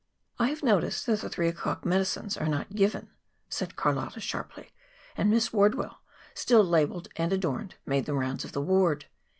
"I have noticed that the three o'clock medicines are not given," said Carlotta sharply; and Miss Wardwell, still labeled and adorned, made the rounds of the ward.